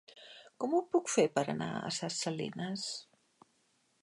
Com ho puc fer per anar a Ses Salines?